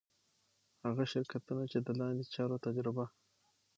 هغه شرکتونه چي د لاندي چارو تجربه